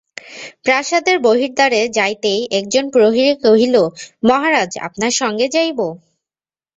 প্রাসাদের বহির্দ্বারে যাইতেই একজন প্রহরী কহিল, মহারাজ, আপনার সঙ্গে যাইব?